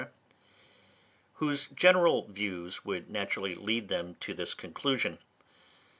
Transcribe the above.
whose general views would naturally lead them to this conclusion.